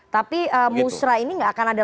tapi musra ini gak akan ada